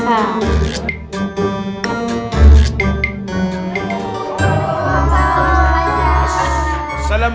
salam salam salam salam